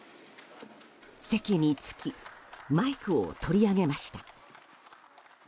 席に着きマイクを取り上げました。